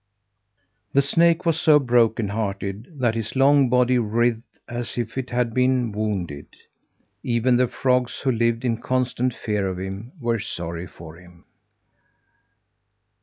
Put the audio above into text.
The snake was so broken hearted that his long body writhed as if it had been wounded. Even the frogs, who lived in constant fear of him, were sorry for him.